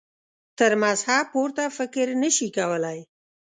تر مذهب پورته فکر نه شي کولای.